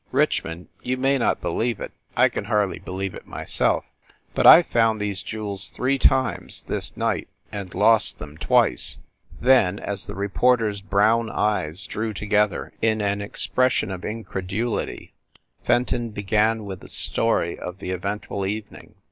"Richmond, you may not believe it, I can hardly believe it myself, but I ve found these jewels three times, this night, and lost them twice!" Then, as the reporter s brown eyes drew together in an ex pression of incredulity, Fenton began with the stoiy of the eventful evening.